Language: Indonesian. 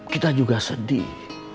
kita juga sedih